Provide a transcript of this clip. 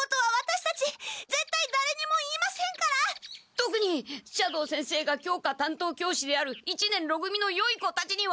とくに斜堂先生が教科担当教師である一年ろ組のよい子たちには！